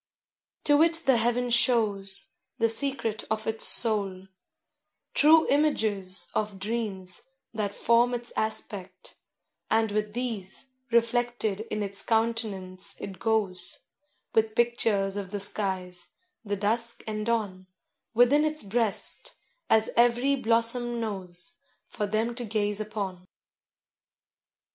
To it the heaven shows The secret of its soul; true images Of dreams that form its aspect; and with these Reflected in its countenance it goes, With pictures of the skies, the dusk and dawn, Within its breast, as every blossom knows, For them to gaze upon.